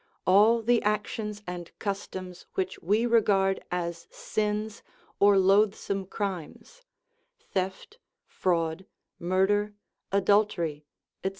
All the actions and customs which we regard as sins or loathsome crimes (theft, fraud, murder, adultery, etc.)